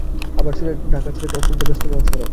আবার ঢাকা সিলেট অত্যন্ত ব্যস্ত মহাসড়ক।